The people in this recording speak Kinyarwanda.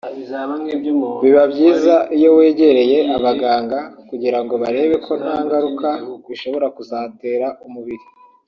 biba byiza iyo wegereye abaganga kugirango barebe ko nta ngaruka bishobora kuzatera umubiri